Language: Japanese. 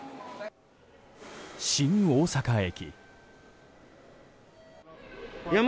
新大阪駅。